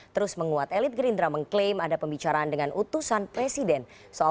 terus menguat elit gerindra mengklaim ada pembicaraan dengan utusan presiden